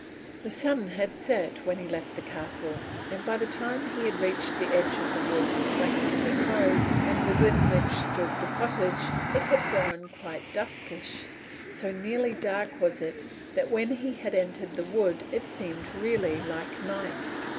The sun had set when he left the castle, and by the time he had reached the edge of the woods flanking the cove, and within which stood the cottage, it had grown quite duskish. So nearly dark was it, that when he had entered the wood it seemed really like night.